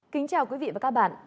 kính chào quý vị và các bạn